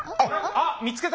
あっ見つけた！